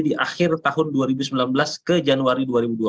di akhir tahun dua ribu sembilan belas ke januari dua ribu dua puluh